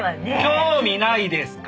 興味ないですから。